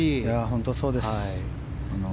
本当にそうです。